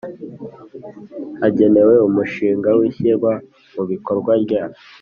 agenewe Umushinga w Ishyirwa mu Bikorwa rya